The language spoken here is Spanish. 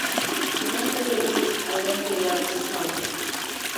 Levántate y arregla tu cama.